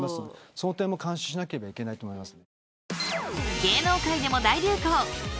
その点も監視しなければいけないと思います。